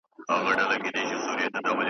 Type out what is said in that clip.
د پردي شیخ په دعاګانو ژړا نه سمیږو .